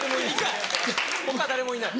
・他誰もいない・